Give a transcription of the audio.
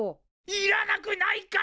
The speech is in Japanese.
いらなくないから！